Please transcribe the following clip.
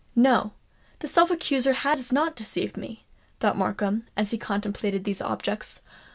"No—that self accuser has not deceived me!" thought Markham, as he contemplated these objects.